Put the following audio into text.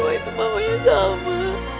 oh itu mamanya sama